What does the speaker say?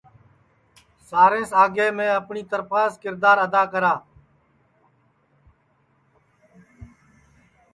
سب پہلے میں اپٹؔی ترپھاس کِردار ادا کرا